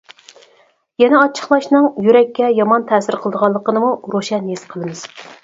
يەنە ئاچچىقلاشنىڭ يۈرەككە يامان تەسىر قىلىدىغانلىقىنىمۇ روشەن ھېس قىلىمىز.